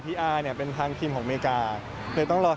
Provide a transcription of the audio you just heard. พูดอะไรไม่ได้เดี๋ยวโดนปรับ